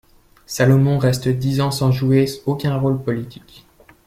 Salomon reste dix ans sans jouer aucun rôle politique.